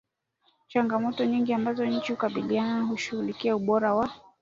changamoto nyingi ambazo nchi hukabili zinaposhughulikia ubora wa